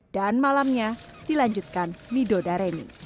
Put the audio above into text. dan malamnya dilanjutkan nido dareni